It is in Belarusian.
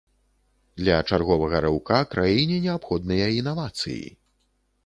Для чарговага рыўка краіне неабходныя інавацыі.